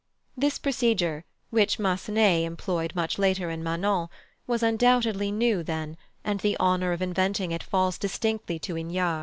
This procedure, which Massenet employed much later in Manon, was undoubtedly new then, and the honour of inventing it falls distinctly to Hignard.